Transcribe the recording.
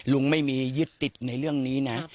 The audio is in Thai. ลุงไม่มียึดติดในเรื่องนี้นะ